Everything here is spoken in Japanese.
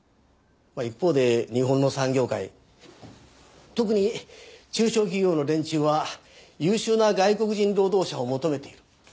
まあ一方で日本の産業界特に中小企業の連中は優秀な外国人労働者を求めている。